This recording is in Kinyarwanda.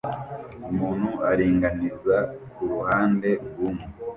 Umuntu aringaniza kuruhande rumwe